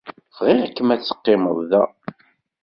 Bɣiɣ-kem ad teqqimeḍ da.